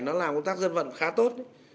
nó làm công tác dân vật khá tốt